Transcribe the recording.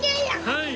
はい！